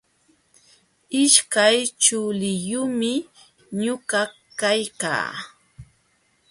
Ishkay chuliyumi ñuqa kaykaa.